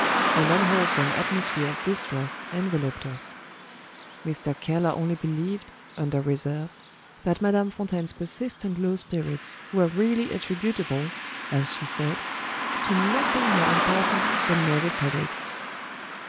An unwholesome atmosphere of distrust enveloped us. Mr. Keller only believed, under reserve, that Madame Fontaine's persistent low spirits were really attributable, as she said, to nothing more important than nervous headaches.